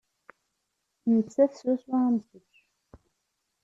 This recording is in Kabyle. Nettat swaswa am kečč.